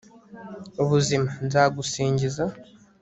ubuzima, nzagusingiza